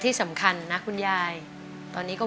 สีหน้าร้องได้หรือว่าร้องผิดครับ